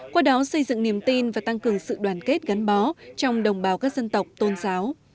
qua đó xây dựng niềm tin và tăng cường sự đoàn kết gắn bó trong đồng bào các dân tộc tôn giáo